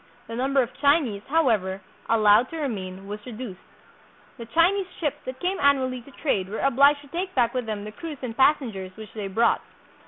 The number of Chinese, however, allowed to remain was reduced. The Chinese ships that came annually to trade 184 THE PHILIPPINES. were obliged to take back with them the crews and pas sengers which they brought.